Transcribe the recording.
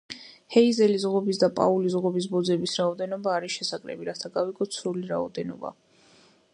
ჰეიზელის ღობის და პაულის ღობის ბოძების რაოდენობა არის შესაკრები, რათა გავიგოთ სრული რაოდენობა.